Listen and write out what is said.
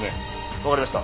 わかりました